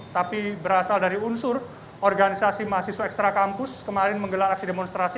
tapi berasal dari unsur organisasi mahasiswa ekstra kampus kemarin menggelar aksi demonstrasi